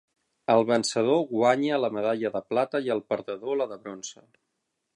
El vencedor guanya la medalla de plata i el perdedor la de bronze.